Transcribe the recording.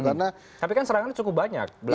tapi kan serangannya cukup banyak